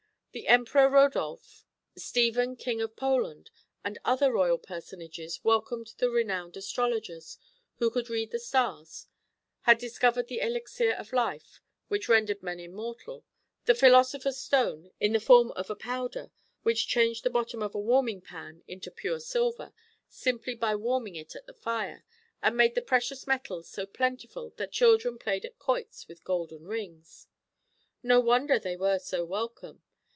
The Emperor Rodolphe, Stephen, King of Poland, and other royal personages welcomed the renowned astrologers, who could read the stars, had discovered the elixir of life, which rendered men immortal, the philosopher's stone in the form of a powder which changed the bottom of a warming pan into pure silver, simply by warming it at the fire, and made the precious metals so plentiful that children played at quoits with golden rings. No wonder they were so welcome!